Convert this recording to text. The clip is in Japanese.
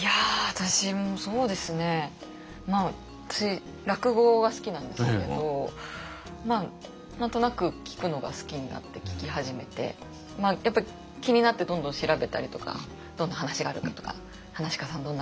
私落語が好きなんですけど何となく聴くのが好きになって聴き始めてやっぱり気になってどんどん調べたりとかどんな話があるかとか噺家さん